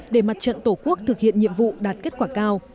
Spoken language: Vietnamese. để mặt trận tổ quốc thực hiện nhiệm vụ đạt kết quả cao